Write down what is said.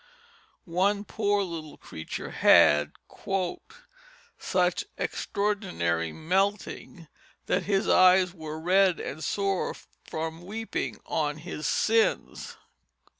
One poor little creature had "such extraordinary meltings that his eyes were red and sore from weeping on his sins."